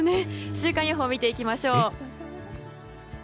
週間予報、見ていきましょう。